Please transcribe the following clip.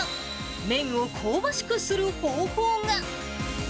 麺を香ばしくする方法が。